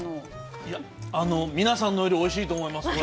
いや、皆さんのよりおいしいと思います、これ。